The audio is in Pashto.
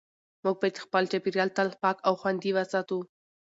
موږ باید خپل چاپېریال تل پاک او خوندي وساتو